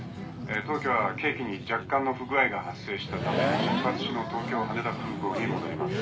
当機は計器に若干の不具合が発生したため出発地の東京羽田空港に戻ります。